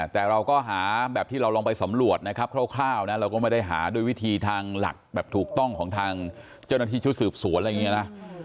แต่เราก็หาแบบที่เราลองไปสำรวจนะครับคร่าวนะเราก็ไม่ได้หาด้วยวิธีทางหลักแบบถูกต้องของทางเจ้าหน้าที่ชุดสืบสวนอะไรอย่างนี้นะ